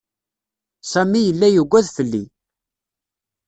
Sami yella yuggad fell-i.